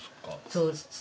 そうです。